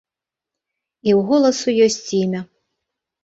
І ў голасу ёсць імя.